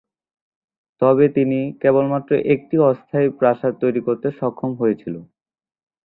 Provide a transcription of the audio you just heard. তবে তিনি কেবলমাত্র একটি অস্থায়ী প্রাসাদ তৈরি করতে সক্ষম হয়েছিল।